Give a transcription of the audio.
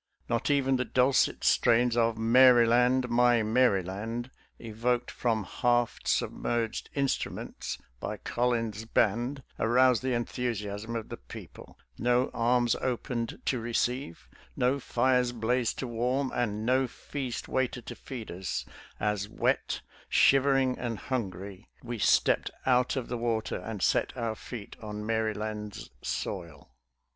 Not even the dulcet strains of " Maryland, My Maryland," evoked from half submerged instruments by Col lins' band aroused the enthusiasm of the people ; no arms opened to receive, no fires blazed to warm, and no feast waited to feed us, as wet, shivering and hungry, we stepped out of the water and set our feet on Maryland's soil.